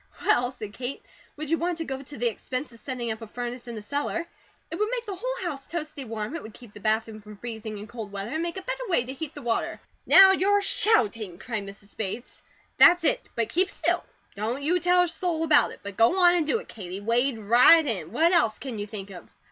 "Well," said Kate, "would you want to go to the expense of setting up a furnace in the cellar? It would make the whole house toasty warm; it would keep the bathroom from freezing in cold weather; and make a better way to heat the water." "Now you're shouting!" cried Mrs. Bates. "That's it! But keep still. Don't you tell a soul about it, but go on and do it, Katie. Wade right in! What else can you think of?"